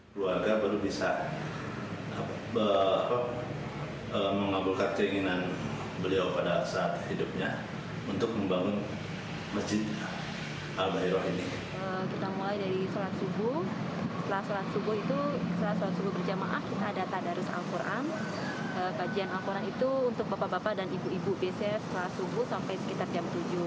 keluarga baru bisa